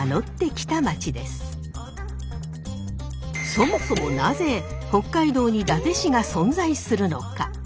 そもそもなぜ北海道に伊達市が存在するのか？